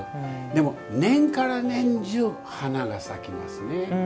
でも、年がら年中花が咲きますね。